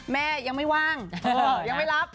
แม่ยังไม่ว่างยังไม่รับ